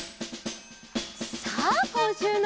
さあこんしゅうの。